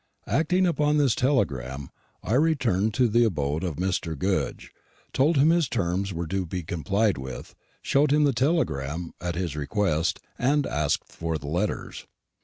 Acting upon this telegram, I returned to the abode of Mr. Goodge, told him his terms were to be complied with, showed him the telegram, at his request, and asked for the letters.